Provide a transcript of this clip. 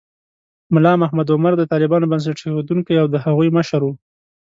ملا محمد عمر د طالبانو بنسټ ایښودونکی و او د هغوی مشر و.